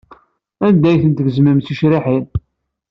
Anda ay ten-tgezmem d ticriḥin?